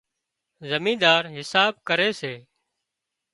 زمينۮار حساب ڪري سي